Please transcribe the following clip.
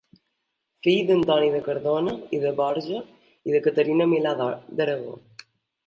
Fill d'Antoni de Cardona i de Borja i de Caterina Milà d'Aragó.